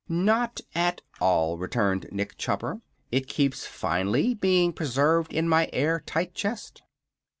"Not at all," returned Nick Chopper. "It keeps finely, being preserved in my air tight chest."